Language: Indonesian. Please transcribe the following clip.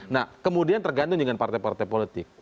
nah kemudian tergantung dengan partai partai politik